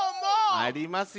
ありますよ。